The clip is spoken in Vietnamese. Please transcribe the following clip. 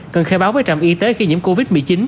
cần khai báo với trạm y tế khi nhiễm covid một mươi chín